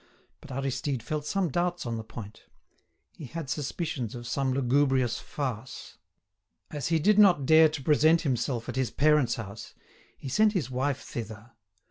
But Aristide felt some doubts on the point; he had suspicions of some lugubrious farce. As he did not dare to present himself at his parents' house, he sent his wife thither.